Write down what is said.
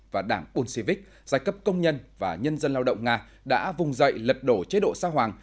và đảng bolshevik giai cấp công nhân và nhân dân lao động nga đã vùng dậy lật đổ chế độ xa hoàng